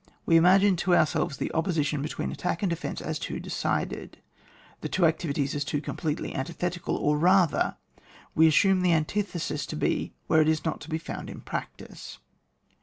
We imagine to ourselves the op position between attack and defence as too decided, the two activities as too completely antithetical, or, rather, we assume the antithesis to be where it is not to be found in practice.